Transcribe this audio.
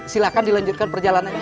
silakan dilanjutkan perjalanannya